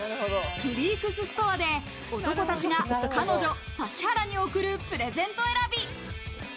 フリークスストアで男たちが彼女・指原に贈るプレゼント選び。